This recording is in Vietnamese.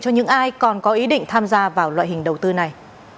cho những ai còn có ý định tham gia vào loại hình đầu tư này